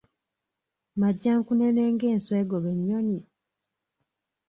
Majjankunene ng'enswa egoba ennyonyi?